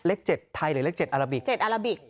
เลข๗ไทยหรือเลข๗อาราบิก